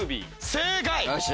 正解！